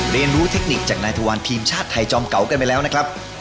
เรียนรู้เทคนิคจากนายทวารทีมชาติไทยจอมเก่ากันไปแล้วนะครับ